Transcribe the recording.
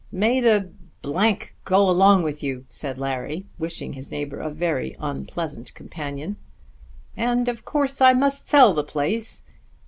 "May the go along with you!" said Larry, wishing his neighbour a very unpleasant companion. "And of course I must sell the place.